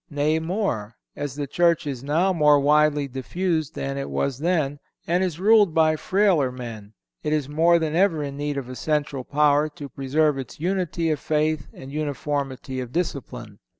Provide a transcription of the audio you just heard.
Nay, more; as the Church is now more widely diffused than it was then, and is ruled by frailer men, it is more than ever in need of a central power to preserve its unity of faith and uniformity of discipline.